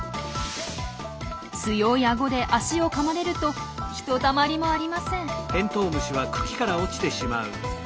強い顎で脚をかまれるとひとたまりもありません。